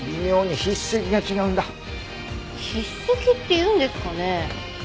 筆跡って言うんですかね？